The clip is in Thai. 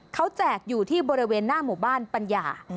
เขาแจกอยู่ที่บริเวณหน้าหมู่บ้านปัญญา